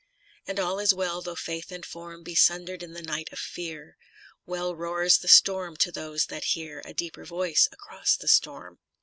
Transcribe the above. And all is well, tho' faith and form Be sunder'd in the night of fear ; Well roars the storm to those that hear A deeper voice across the storm.